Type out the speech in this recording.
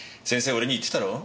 俺に言ってたろ？